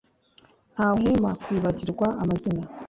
Ntahwema kwibagirwa amazina